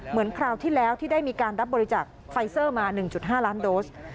คราวที่แล้วที่ได้มีการรับบริจาคไฟเซอร์มา๑๕ล้านโดส